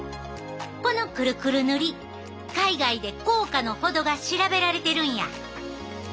このクルクル塗り海外で効果の程が調べられてるんや。